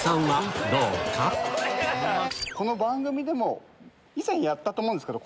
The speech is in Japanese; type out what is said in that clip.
この番組でも以前やったと思うんですけど。